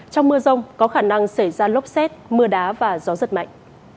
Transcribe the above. trong mưa rông có khả năng xảy ra lốc xét mưa đá và gió giật mạnh